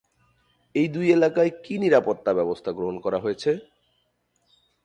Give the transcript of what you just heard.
এই দুই এলাকায় কি নিরাপত্তা ব্যবস্থা গ্রহণ করা হয়েছে?